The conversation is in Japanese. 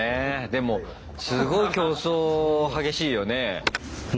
でもすごい競争激しいよね。